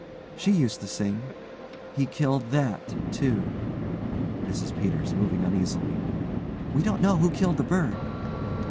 She used to sing. He killed that, too. MRS PETERS: (moving uneasily) We don't know who killed the bird.